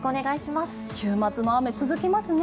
週末の雨、続きますね。